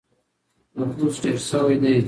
نفوس ډېر شوی دی.